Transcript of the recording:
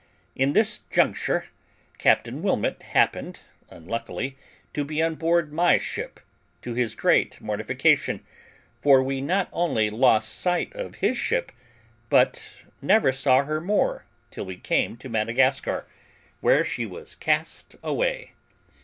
In this juncture Captain Wilmot happened, unluckily, to be on board my ship, to his great mortification; for we not only lost sight of his ship, but never saw her more till we came to Madagascar, where she was cast away.